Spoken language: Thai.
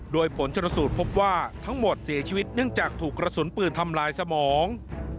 โดยผลชนสูตรพบว่าทั้งหมดเสียชีวิตเนื่องจากถูกกระสุนปืนทำลายสมอง